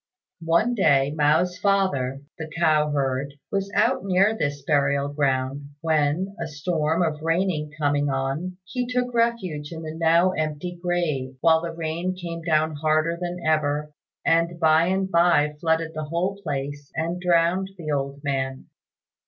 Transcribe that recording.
One day Mao's father, the cow herd, was out near this burial ground, when, a storm of rain coming on, he took refuge in the now empty grave, while the rain came down harder than ever, and by and by flooded the whole place and drowned the old man.